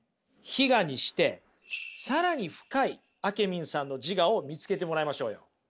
非我にして更に深いあけみんさんの自我を見つけてもらいましょうよ。